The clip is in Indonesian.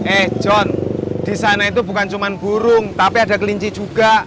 eh john di sana itu bukan cuma burung tapi ada kelinci juga